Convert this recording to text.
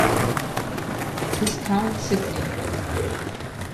Viscount Sidney.